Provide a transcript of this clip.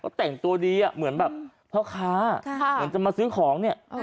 แต่งตัวดีเหมือนแบบพ่อค้าเหมือนจะมาซื้อของเนี่ย